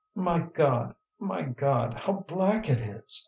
"My God, my God, how black it is!"